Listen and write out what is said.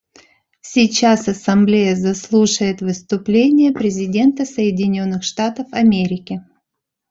Сейчас Ассамблея заслушает выступление президента Соединенных Штатов Америки.